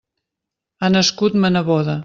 Ha nascut ma neboda.